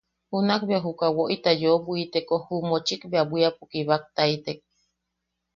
Junak juka woʼita yeu bwiteko ju mochik bea bwiapo kibaktaitek.